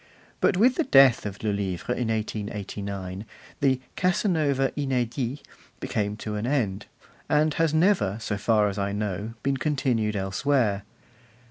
But with the death of Le Livre in 1889 the 'Casanova inedit' came to an end, and has never, so far as I know, been continued elsewhere.